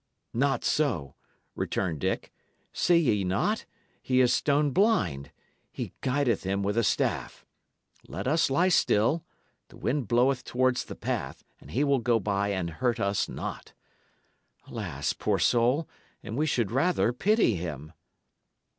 "Not so," returned Dick. "See ye not? he is stone blind. He guideth him with a staff. Let us lie still; the wind bloweth towards the path, and he will go by and hurt us not. Alas, poor soul, and we should rather pity him!"